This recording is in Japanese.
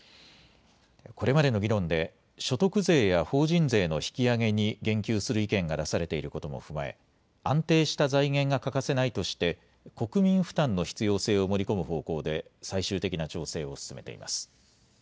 これまでの議論で所得税や法人税の引き上げに言及する意見が出されていることも踏まえ安定した財源が欠かせないとして国民負担の必要性を盛り込む方向で最終的な調整を進めています。